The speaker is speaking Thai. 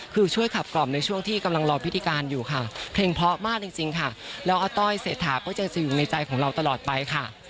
คือช่วยขับกล่อมในช่วงที่กำลังรอพิธีการอยู่ค่ะเพลงเพราะมากจริงค่ะแล้วอาต้อยเศรษฐาก็จะอยู่ในใจของเราตลอดไปค่ะ